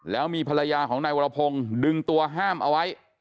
แล้วมีภรรยาของนายวรพงศ์ดึงตัวห้ามเอาไว้